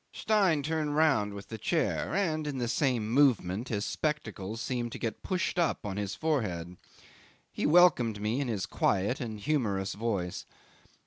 Stein turned round with the chair, and in the same movement his spectacles seemed to get pushed up on his forehead. He welcomed me in his quiet and humorous voice.